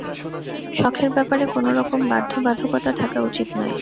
শখের ব্যাপারে কোনোরকম বাধ্যবাধকতা থাকা উচিত নয়।